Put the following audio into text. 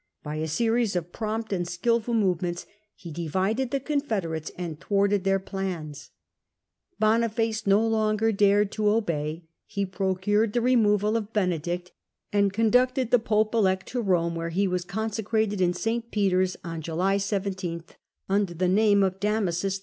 By a series of prompt and skilful move ments he divided the confederates and thwarted their FopeDama plans. Bonifaco no longer dared to disobey ; pointed*^ he procured the removal of Benedict, and conducted the pope elect to Eome, where he was con secrated in St. Peter's on July 17, under the name of Damasus II.